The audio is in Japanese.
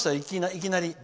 いきなり。